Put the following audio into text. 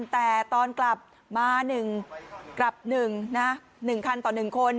แต่ตอนกลับมาหนึ่งกลับหนึ่งนะหนึ่งคันต่อหนึ่งคน